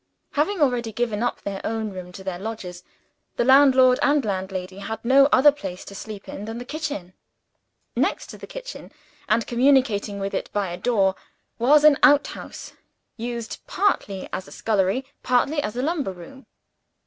Having already given up their own room to their lodgers, the landlord and landlady had no other place to sleep in than the kitchen. Next to the kitchen, and communicating with it by a door, was an outhouse; used, partly as a scullery, partly as a lumber room.